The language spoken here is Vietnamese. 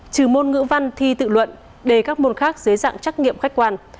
trừ môn ngữ văn thi tự luận đề các môn khác dưới dạng trắc nghiệm khách quan